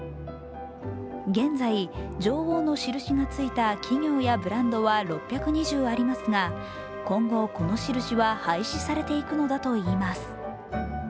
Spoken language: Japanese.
現在、女王の印のついた企業やブランドは６２０ありますが、今後、この印は廃止されていくのだといいます。